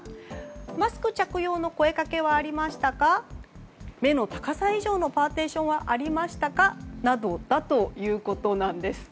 マスク着用の声かけはありましたか目の高さ以上のパーティションはありましたかなどだということなんです。